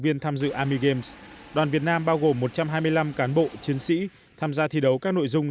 viên tham dự army games đoàn việt nam bao gồm một trăm hai mươi năm cán bộ chiến sĩ tham gia thi đấu các nội dung